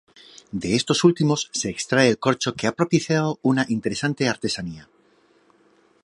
De estos últimos se extrae el corcho que ha propiciado una interesante artesanía.